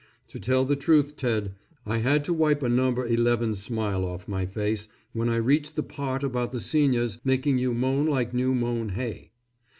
To tell the truth, Ted, I had to wipe a number eleven smile off my face when I reached the part about the seniors making you moan like new mown hay.